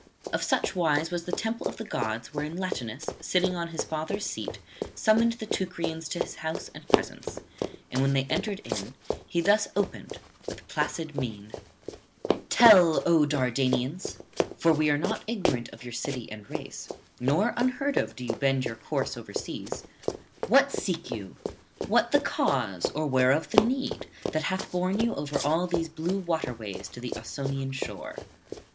Of such wise was the temple of the gods wherein Latinus, sitting on his father's seat, summoned the Teucrians to his house and presence; and when they entered in, he thus opened with placid mien: 'Tell, O Dardanians, for we are not ignorant of your city and race, nor unheard of do you bend your course [197 228]overseas, what seek you? what the cause or whereof the need that hath borne you over all these blue waterways to the Ausonian shore?